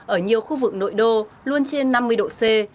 ở nhiều khu vực nội đô luôn trên năm mươi độ c